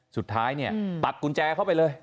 สุดท้ายเนี่ยตัดกุญแจเข้าไปเลย